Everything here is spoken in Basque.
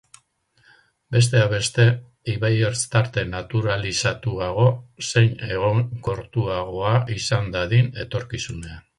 Besteak beste, ibaiertz-tarte naturalizatuago, zein egonkortuagoa izan dadin etorkizunean.